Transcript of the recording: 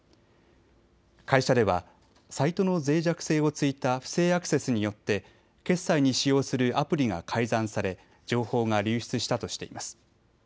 会社ではサイトのぜい弱性を突いた不正アクセスによって決済に使用するアプリが改ざんされ情報が流出したとしています。